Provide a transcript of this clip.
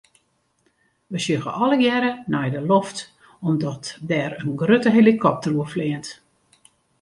We sjogge allegearre nei de loft omdat der in grutte helikopter oerfleant.